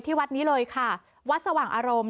วัดนี้เลยค่ะวัดสว่างอารมณ์